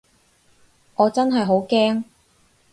我真係好驚